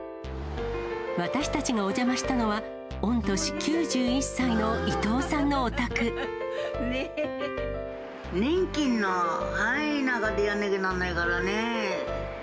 私たちがお邪魔したのは、御年年金の範囲の中でやんなきゃなんないからね。